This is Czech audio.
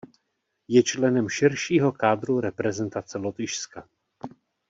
Je členem širšího kádru reprezentace Lotyšska.